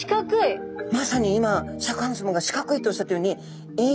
まさに今シャーク香音さまが「四角い」っておっしゃったようにえっ